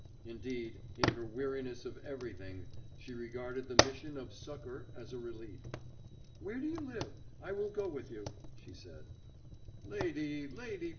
Indeed, in her weariness of everything, she regarded the mission of succor as a relief. "Where do you live? I will go with you," she said. "Lady! Lady!